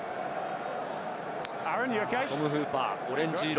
トム・フーパー、オレンジ色。